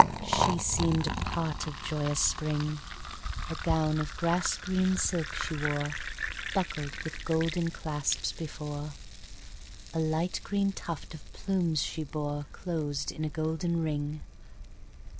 She seem'd a part of joyous Spring; A gown of grass green silk she wore, Buckled with golden clasps before; A light green tuft of plumes she bore Closed in a golden ring.